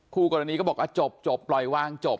คู่กรณีนี้ก็บอกอะจบจบปล่อยวางจบ